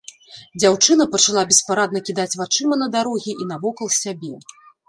Дзяўчына пачала беспарадна кідаць вачыма на дарогі і навокал сябе.